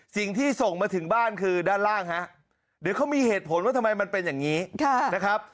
สิ่งที่ส่งมาถึงบ้านคือด้านล่างฮะเดี๋ยวเขามีเหตุผลว่าทำไมมันเป็นอย่างนี้นะครับ